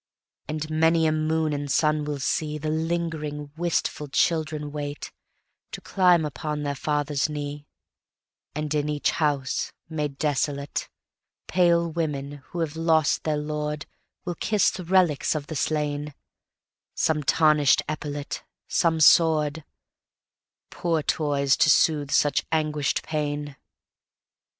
And many a moon and sun will seeThe lingering wistful children waitTo climb upon their father's knee; And in each house made desolatePale women who have lost their lordWill kiss the relics of the slain—Some tarnished epaulette—some sword—Poor toys to soothe such anguished pain.